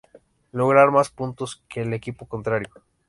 Lograr más puntos que el equipo contrario.